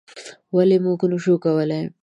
ولې موږ نشو کولی؟